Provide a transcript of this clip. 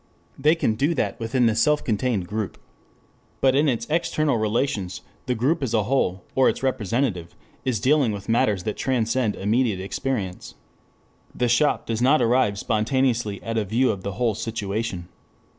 They can do that within the self contained group. But in its external relations the group as a whole, or its representative, is dealing with matters that transcend immediate experience. The shop does not arrive spontaneously at a view of the whole situation.